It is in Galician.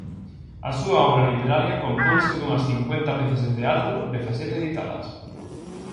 A súa obra literaria componse dunhas cincuenta pezas de teatro, dezasete editadas.